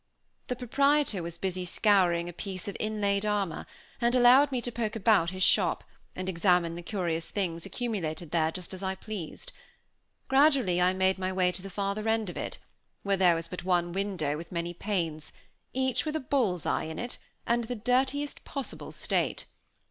The proprietor was busy scouring a piece of inlaid armor, and allowed me to poke about his shop, and examine the curious things accumulated there, just as I pleased. Gradually I made my way to the farther end of it, where there was but one window with many panes, each with a bull's eye in it, and in the dirtiest Possible state.